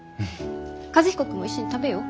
和彦君も一緒に食べよう。